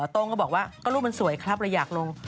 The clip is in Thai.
ต้งก็บอกว่ารูปมันสวยครับอะไรอยากลง